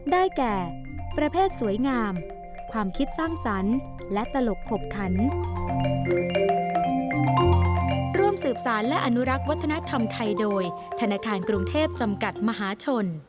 แก่ประเภทสวยงามความคิดสร้างสรรค์และตลกขบขัน